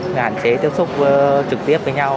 hạn chế tiếp xúc trực tiếp với nhau